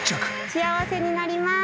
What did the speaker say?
幸せになります。